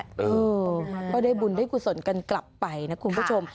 เออก็ได้บุญได้กุศลกันกลับไปนะคุณผู้ชม